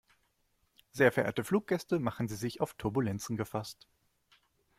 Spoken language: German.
Sehr verehrte Fluggäste, machen Sie sich auf Turbulenzen gefasst.